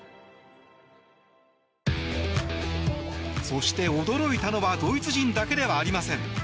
そして驚いたのはドイツ人だけではありません。